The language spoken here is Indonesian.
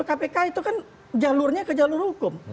kpk itu kan jalurnya ke jalur hukum